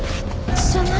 血じゃない？